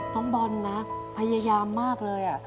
น้องบอลนะพยายามมากเลย